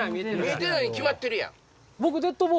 見えてないに決まってるやん。